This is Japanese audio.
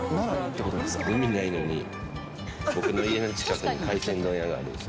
海ないのに、僕の家の近くに海鮮問屋があるんです。